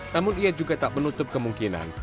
namun ia juga tak menutup kemungkinan